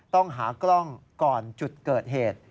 ต้องหากล้องก่อนจุดเกิดเหตุ